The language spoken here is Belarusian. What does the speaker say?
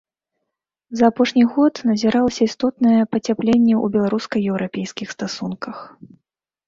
За апошні год назіралася істотнае пацяпленне ў беларуска-еўрапейскіх стасунках.